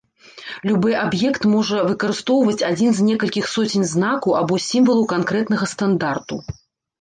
Любы аб'ект можа выкарыстоўваць адзін з некалькіх соцень знакаў або сімвалаў канкрэтнага стандарту.